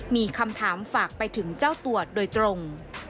มีคำถามฝากไปถึงเจ้าตัวโดยตรง